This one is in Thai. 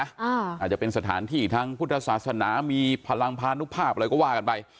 อาจจะเป็นสถานที่ทางพุทธศาสนามีพลังพานุภาพอะไรก็ว่ากันไป